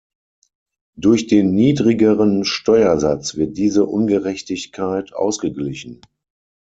Durch den niedrigeren Steuersatz wird diese Ungerechtigkeit ausgeglichen.